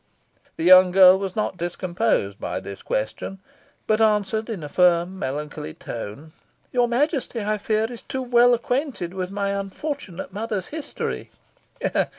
The young girl was not discomposed by this question, but answered in a firm, melancholy tone "Your Majesty, I fear, is too well acquainted with my unfortunate mother's history."